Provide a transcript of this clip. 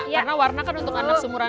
karena warna kan untuk anak seumuran